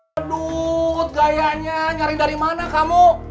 aduh gayanya nyari dari mana kamu